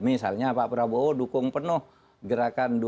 misalnya pak prabowo dukung penuh gerakan dua ribu dua